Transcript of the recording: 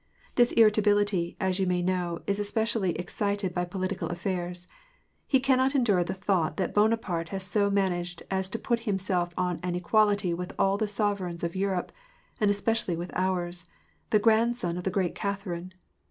This irritability, as you may know, is especially excited by political affairs. He cannot endure the thought that Buonaparte has so managed as to put himself on an equality with all the sovereigns of £urope, and especially with ours — the grandson of the great Catherine!